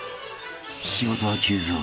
［仕事は急増］